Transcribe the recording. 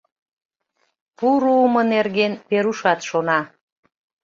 Пу руымо нерген Верушат шона.